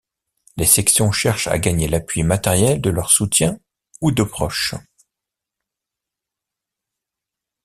Les sections cherchent à gagner l'appui matériel de leurs soutiens ou de proches.